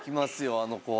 あの子は。